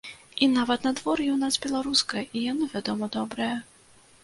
І нават надвор'е ў нас беларускае, і яно, вядома, добрае.